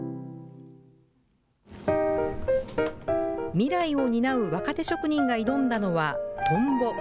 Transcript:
未来を担う若手職人が挑んだのは、トンボ。